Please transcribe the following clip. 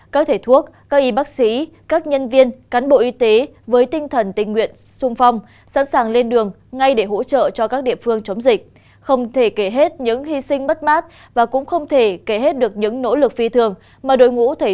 các bạn hãy đăng ký kênh để ủng hộ kênh của chúng mình nhé